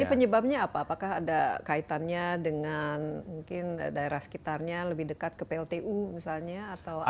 tapi penyebabnya apa apakah ada kaitannya dengan mungkin daerah sekitarnya lebih dekat ke pltu misalnya atau